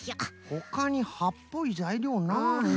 ほかにはっぽいざいりょうなあ。